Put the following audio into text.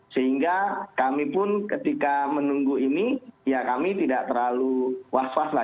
sehingga kami pun ketika menunggu ini ya kami tidak terlalu was was lah